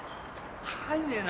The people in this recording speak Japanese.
入んねえな。